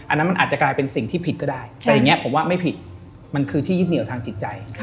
อันนั้นมันอาจจะกลายเป็นสิ่งที่ผิดก็ได้แต่อย่างนี้ผมว่าไม่ผิดมันคือที่ยึดเหนียวทางจิตใจ